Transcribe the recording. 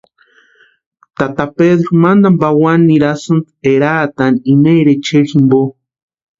Tata Pedru mantani pawani nirasïnti eraatani imaeri echeri jimpo.